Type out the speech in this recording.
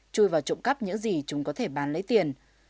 chui vào trộm cắp những gì chúng có thể bán lấy tiền